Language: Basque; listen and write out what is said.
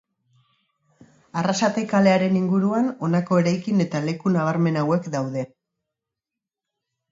Arrasate kalearen inguruan honako eraikin eta leku nabarmen hauek daude.